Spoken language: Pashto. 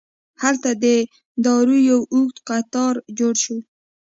هلته د دارو یو اوږد قطار جوړ شو.